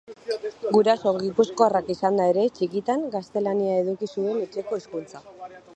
Guraso gipuzkoarrak izanda ere, txikitan gaztelania eduki zuen etxeko hizkuntza.